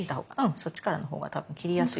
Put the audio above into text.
そっちからのほうがたぶん切りやすい。